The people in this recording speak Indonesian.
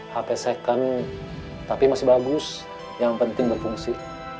hapes saya kan tapi masih bagus yang penting berfungsi